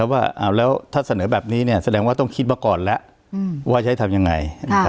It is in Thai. ว่าจะเสนอแบบนี้ต้องคิดมาก่อนแล้วว่าจะให้ทำยังไง